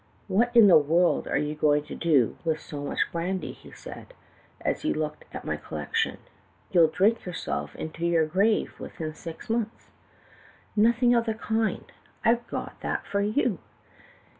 " 'What in the world are you going to do with so much brandy ?' said he, as he looked at my collection. 'You'll drink yourself into your grave within six months.' " 'Nothing of the kind ! I've got that for you.